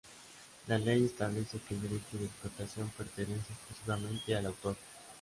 La ley establece que el derecho de explotación pertenece exclusivamente al autor.